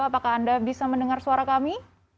apakah anda bisa mendengar suara kami